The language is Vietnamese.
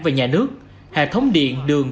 và nhà nước hệ thống điện đường